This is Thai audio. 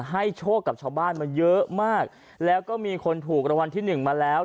โชคกับชาวบ้านมาเยอะมากแล้วก็มีคนถูกรางวัลที่หนึ่งมาแล้ว